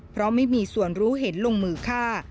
เพราะไม่มีส่วนรู้เห็นลงมือฆ่า